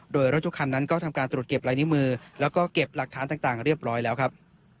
โดยรถทุกคันนั้นก็ทำการตรวจเก็บลายนิ้วมือแล้วก็เก็บหลักฐานต่างเรียบร้อยแล้วครับ